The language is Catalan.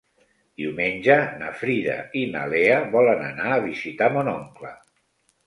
Diumenge na Frida i na Lea volen anar a visitar mon oncle.